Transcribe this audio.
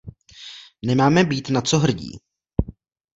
Nemáme být na co hrdí.